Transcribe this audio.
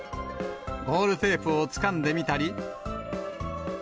ゴールテープをつかんでみたり。